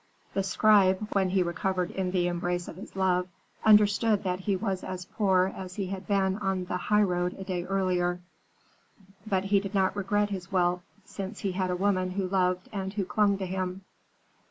The scribe, when he recovered in the embrace of his love, understood that he was as poor as he had been on the highroad a day earlier. But he did not regret his wealth, since he had a woman who loved and who clung to him."